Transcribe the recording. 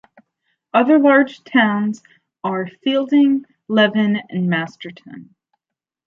Other large towns are Feilding, Levin and Masterton.